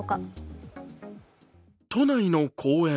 都内の公園。